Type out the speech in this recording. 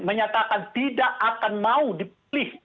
menyatakan tidak akan mau dipilih